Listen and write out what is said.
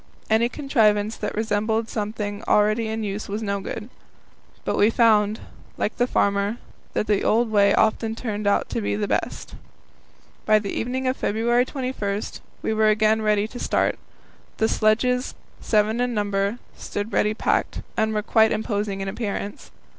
Any contrivance that resembled something already in use was no good. But we found, like the farmer, that the old way often turned out to be the best. By the evening of February 21 we were again ready to start. The sledges seven in number stood ready packed, and were quite imposing in appearance.